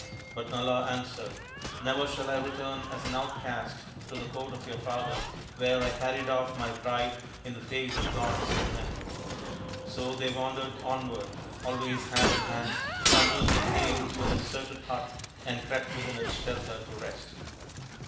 But Nala answered, " Never shall I return as an outcast to the court of your father, where I carried off my bride in the face of gods and men," So they wandered onward, always hand in hand, until they came to a deserted hut and crept within its shelter to rest.